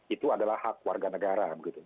itu adalah hak warga negara